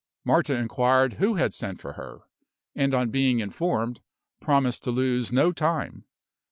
Marta inquired who had sent for her, and on being informed, promised to lose no time.